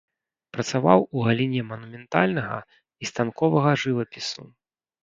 Працаваў у галіне манументальнага і станковага жывапісу.